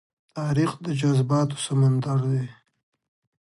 تاریخ د جذباتو سمندر دی.